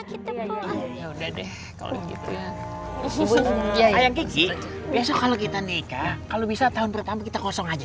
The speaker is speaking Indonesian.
kita yaudah deh kalau gitu ya kalau kita nikah kalau bisa tahun pertama kita kosong aja